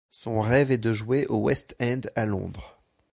Son rêve est de jouer au West End à Londres.